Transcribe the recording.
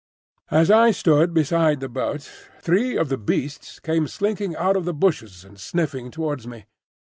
As I stood beside the boat, three of the Beasts came slinking out of the bushes and sniffing towards me.